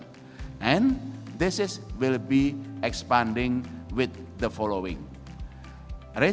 penggunaan qr koneksi cepat dan penggunaan transaksi keuangan lokal